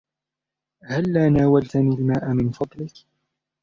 هلاّ ناولتني الماء من فضلك؟